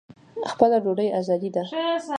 خپله ډوډۍ ازادي ده.